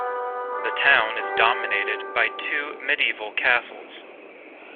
The town is dominated by two medieval castles.